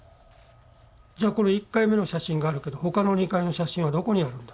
「じゃあこの１回目の写真があるけど他の２回の写真はどこにあるんだ」